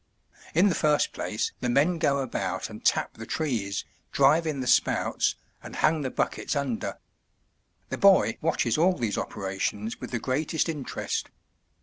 In the first place the men go about and tap the trees, drive in the spouts, and hang the buckets under. The boy watches all these operations with the greatest interest.